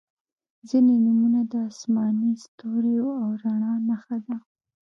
• ځینې نومونه د آسمان، ستوریو او رڼا نښه ده.